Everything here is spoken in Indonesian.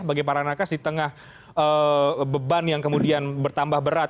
bagi para nakas di tengah beban yang kemudian bertambah berat